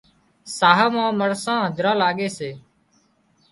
ساهَه مان مرسان هڌران لاڳي سي